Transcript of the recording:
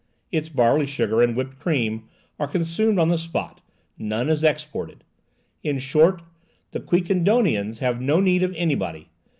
Its barley sugar and whipped cream are consumed on the spot; none is exported. In short, the Quiquendonians have no need of anybody.